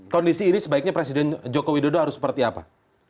kondisi ini sebaiknya presiden jokowi dodo harus seperti apa